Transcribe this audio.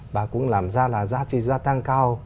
và cũng làm ra là giá trị gia tăng cao